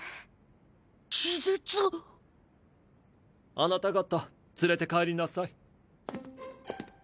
あなた方連れて帰りなさい。